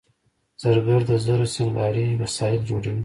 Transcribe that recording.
زرګر د زرو سینګاري وسایل جوړوي